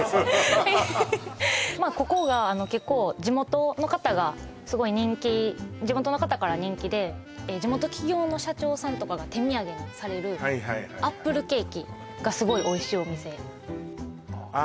ここが結構地元の方がすごい人気地元の方から人気で地元企業の社長さんとかが手土産にされるアップルケーキがすごいおいしいお店あ